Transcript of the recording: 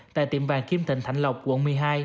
tại tiệm vàng kim tịnh thạnh lộc quận một mươi hai